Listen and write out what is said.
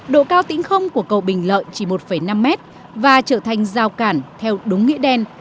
độ cao tính không của cầu bình lợi chỉ một năm mét và trở thành giao cản theo đúng nghĩa đen